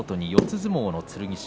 相撲の剣翔。